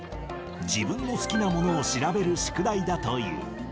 自分の好きなものを調べる宿題だという。